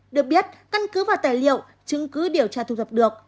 được biết căn cứ vào tài liệu chứng cứ điều tra thu thập được